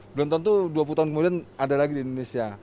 belum tentu dua puluh tahun kemudian ada lagi di indonesia